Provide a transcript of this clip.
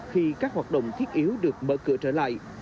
khi các hoạt động thiết yếu được mở cửa trở lại